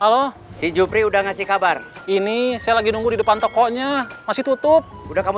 halo si jupri udah ngasih kabar ini saya lagi nunggu di depan tokonya masih tutup udah kamu